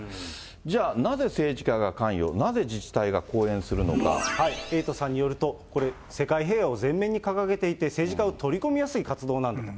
じゃあ、なぜ政治家が関与、エイトさんによると、これ、世界平和を前面に掲げていて、政治家を取り込みやすい活動なんだと。